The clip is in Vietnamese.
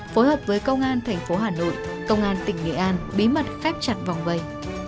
phối hợp với công an thành phố hà nội công an tỉnh nghệ an bí mật khép chặt vòng vây